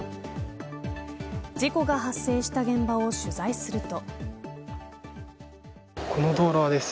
事故が発生した現場を取材すると。